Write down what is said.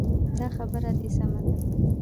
دا خبره دې سمه ده.